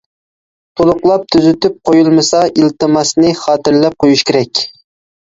تولۇقلاپ، تۈزىتىپ قويۇلمىسا، ئىلتىماسنى خاتىرىلەپ قويۇش كېرەك.